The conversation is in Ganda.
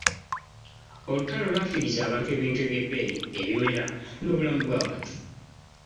Olutalo lwafiiriza abantu ebintu eby'ebbeeyi, ebimera n'obulamu bw'abantu